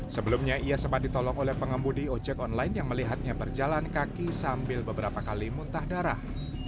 sebelumnya ia sempat ditolong oleh pengembudi ojek online yang melihatnya berjalan kaki sambil beberapa kali muntah darah